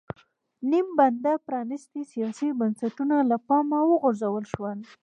نیم بنده پرانېستي سیاسي بنسټونه له پامه وغورځول شول.